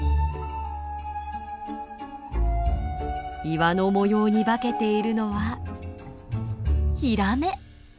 岩の模様に化けているのはヒラメ。